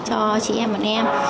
cho chị em bọn em